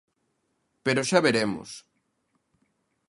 Pero xa veremos.